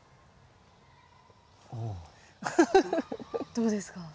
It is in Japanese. どうですか？